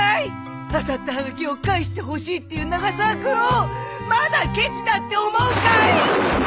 当たったはがきを返してほしいっていう永沢君をまだケチだって思うかい！？